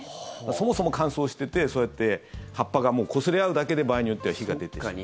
そもそも乾燥してて、そうやって葉っぱがこすれ合うだけで場合によっては火が出てしまう。